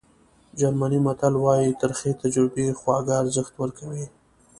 جرمني متل وایي ترخې تجربې خواږه ارزښت ورکوي.